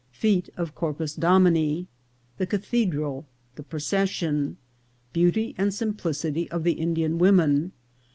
— Fflte of Corpus Dom ini.— The Cathedral. — The Procession. — Beauty and Simplicity of the Indian Women.